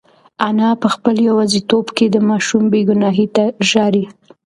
انا په خپل یوازیتوب کې د ماشوم بې گناهۍ ته ژاړي.